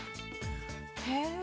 へえ。